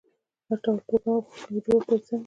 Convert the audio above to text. هر ډول پروګرام او حقوقي جوړښت باید سم وي.